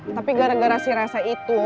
tapi gara gara si rasa itu